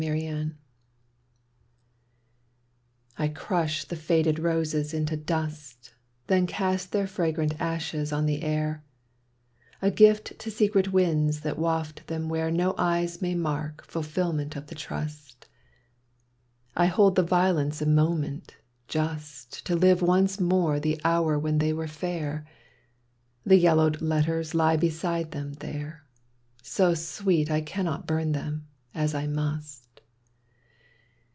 [6i] XTokens CRUSH the faded roses into dust Then cast their fragrant ashes on the air, A gift to secret winds that waft them where No eyes may mark fulfilment of the trust ; I hold the violets a moment, just To live once more the hour when they were fair; The yellowed letters lie beside them there, So sweet I cannot burn them — as I must